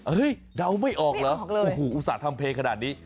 เฮ้ยเดาไม่ออกเหรออุตส่าห์ทำเพลกขนาดนี้อุตส่าห์ทำเพลกขนาดนี้